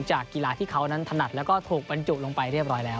จากกีฬาที่เขานั้นถนัดแล้วก็ถูกบรรจุลงไปเรียบร้อยแล้ว